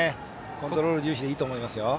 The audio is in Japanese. コントロール重視でいいと思いますよ。